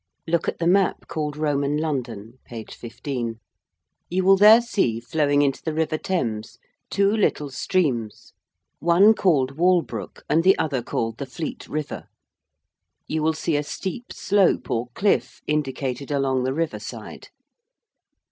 Look at the map called 'Roman London' (p. 15). You will there see flowing into the river Thames two little streams, one called Walbrook, and the other called the Fleet River. You will see a steep slope, or cliff, indicated along the river side.